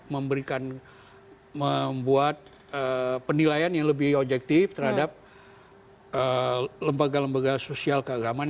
memberikan membuat penilaian yang lebih objektif terhadap lembaga lembaga sosial keagamaan